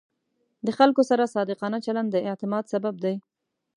د خلکو سره صادقانه چلند د اعتماد سبب دی.